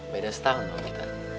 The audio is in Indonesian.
beda setahun dong kita